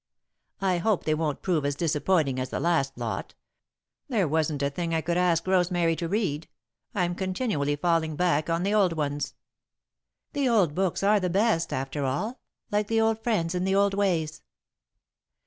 "I hope they won't prove as disappointing as the last lot. There wasn't a thing I could ask Rosemary to read. I'm continually falling back on the old ones." "The old books are the best, after all, like the old friends and the old ways."